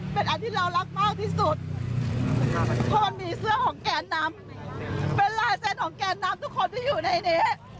เป็นลายเซ็นต์ของแกนำทุกคนที่อยู่ในนี้